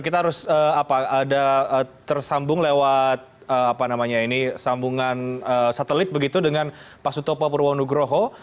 kita harus ada tersambung lewat sambungan satelit begitu dengan pak sutopo purwonugroho